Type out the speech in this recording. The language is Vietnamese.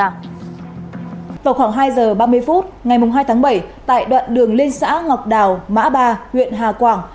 vào khoảng hai giờ ba mươi phút ngày hai tháng bảy tại đoạn đường liên xã ngọc đào mã ba huyện hà quảng